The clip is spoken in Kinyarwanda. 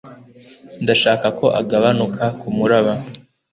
Ndashaka ko agabanuka kumuraba